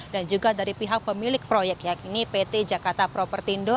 juga dari pihak pemilik proyek yakni pt jakarta propertindo